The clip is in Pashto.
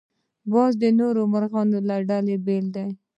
باز د نورو مرغانو له ډلې بېل دی